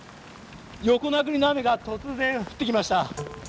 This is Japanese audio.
横殴りの雨が突然降ってきました。